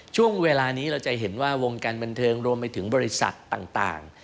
ช่วงเวลานี้เราจะเห็นว่าวงการบันเทิงรวมไปถึงบริษัทต่าง